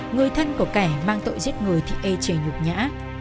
người thân của kẻ mang tội giết người thì ê chề nhục nhã